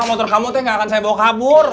motor kamu tuh gak akan saya bawa kabur